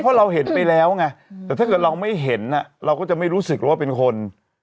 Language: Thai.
เพราะเราเห็นไปแล้วไงแต่ถ้าเกิดเราไม่เห็นเราก็จะไม่รู้สึกว่าเป็นคน